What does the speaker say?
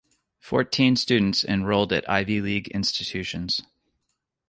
Fourteen students enrolled at Ivy League institutions.